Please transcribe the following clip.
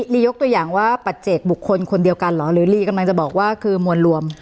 ลียกตัวอย่างว่าปัจเจกบุคคลคนเดียวกันเหรอหรือลีกำลังจะบอกว่าคือมวลรวม